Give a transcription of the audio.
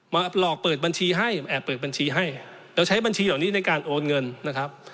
หลอกเปิดบัญชีให้แอบเปิดบัญชีให้แล้วใช้บัญชีเหล่านี้ในการโอนเงินนะครับ